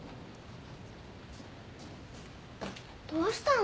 どうしたの？